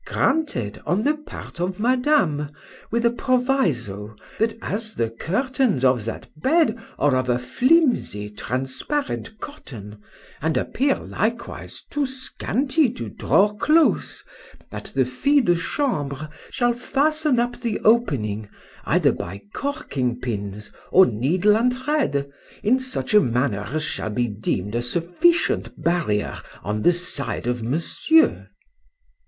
Granted, on the part of Madame; with a proviso, That as the curtains of that bed are of a flimsy transparent cotton, and appear likewise too scanty to draw close, that the fille de chambre shall fasten up the opening, either by corking pins, or needle and thread, in such manner as shall be deem'd a sufficient barrier on the side of Monsieur.